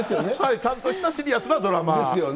ちゃんとしたシリアスなドラですよね。